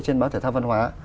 trên báo thể thao văn hóa